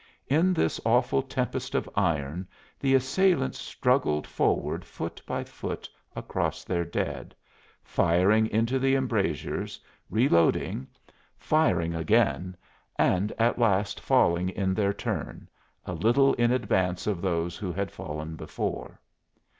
In this awful tempest of iron the assailants struggled forward foot by foot across their dead, firing into the embrasures, reloading, firing again, and at last falling in their turn, a little in advance of those who had fallen before.